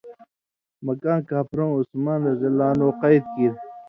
مکّاں کاپھرؤں عثمانؓ قېد کیریۡ